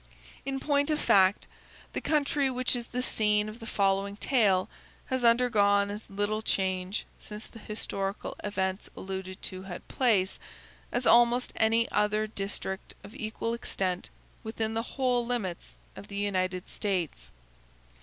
In point of fact, the country which is the scene of the following tale has undergone as little change, since the historical events alluded to had place, as almost any other district of equal extent within the whole limits of the United States.